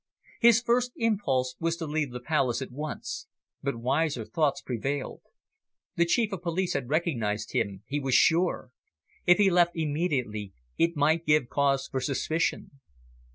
His first impulse was to leave the Palace at once. But wiser thoughts prevailed. The Chief of Police had recognised him, he was sure. If he left immediately, it might give cause for suspicion.